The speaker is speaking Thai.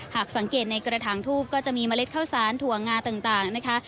หากสังเกตในกระถางทูบก็จะมีเมล็ดข้าวสารถั่วงาต่างนะคะ